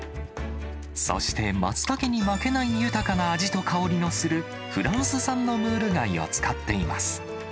そしてマツタケに負けない豊かな味と香りのするフランス産のムール貝を使っています。